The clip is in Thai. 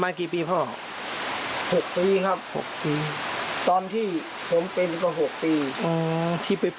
บางทีเขาได้หลักฐานเรียบร้อยแล้วก็เป็นได้